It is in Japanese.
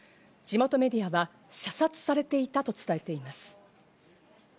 地元メディアは射殺されていたと伝えています。